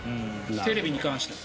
テレビに関しては。